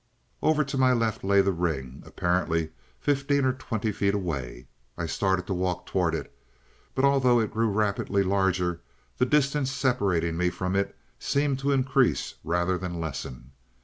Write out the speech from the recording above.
"Over to my left lay the ring, apparently fifteen or twenty feet away. I started to walk towards it, but although it grew rapidly larger, the distance separating me from it seemed to increase rather than lessen.